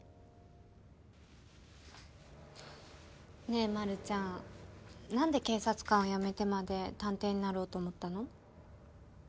ねえ丸ちゃん何で警察官を辞めてまで探偵になろうと思ったの？